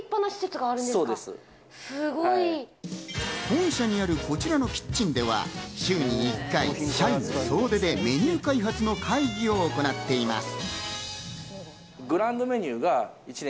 本社にあるこちらのキッチンでは、週に１回社員が総出でメニュー開発の会議を行っています。